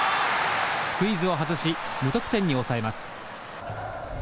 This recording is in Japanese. スクイズを外し無得点に抑えます。